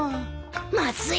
まずい！